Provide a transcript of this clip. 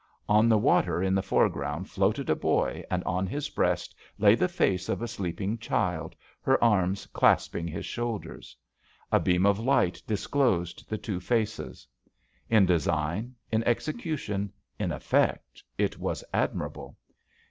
On the water in the foreground floated a boy and on his breast lay the face of a sleeping child, her arms clasping his shoulders. A beam of light dis closed the two faces. In design, in execution, in eflfect, it was admirable.